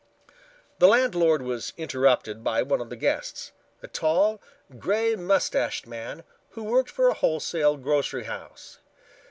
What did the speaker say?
The landlord was interrupted by one of the guests, a tall, grey mustached man who worked for a wholesale grocery house.